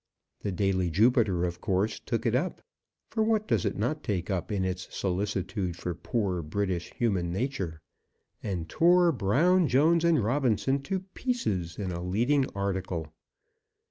The daily Jupiter, of course, took it up, for what does it not take up in its solicitude for poor British human nature? and tore Brown, Jones, and Robinson to pieces in a leading article.